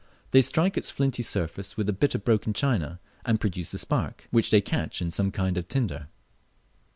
They strike its flinty surface with a bit of broken china, and produce a spark, which they catch in some kind of tinder.